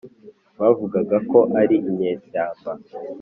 bavugaga ko ari inyeshyamba